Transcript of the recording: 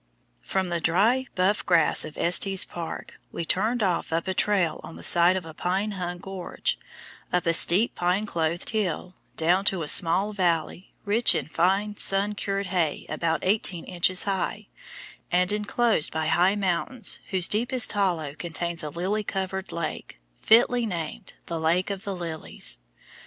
From the dry, buff grass of Estes Park we turned off up a trail on the side of a pine hung gorge, up a steep pine clothed hill, down to a small valley, rich in fine, sun cured hay about eighteen inches high, and enclosed by high mountains whose deepest hollow contains a lily covered lake, fitly named "The Lake of the Lilies."